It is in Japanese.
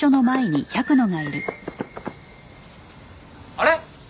あれ？